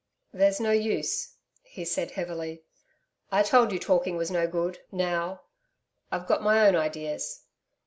'There's no use....' he said heavily. 'I told you talking was no good now. I've got my own ideas....'